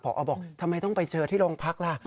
พอบอกทำไมต้องไปเจอที่โรงพักล่ะ